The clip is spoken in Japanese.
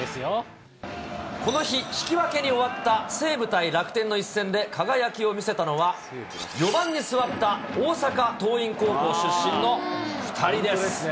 この日、引き分けに終わった西武対楽天の一戦で、輝きを見せたのは、４番に座った大阪桐蔭高校出身の２人です。